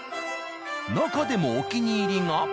なかでもお気に入りが。